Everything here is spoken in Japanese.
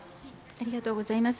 ありがとうございます。